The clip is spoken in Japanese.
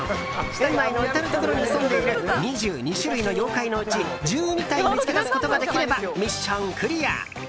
園内の至るところに潜んでいる２２種類の妖怪のうち１２体見つけ出すことができればミッションクリア。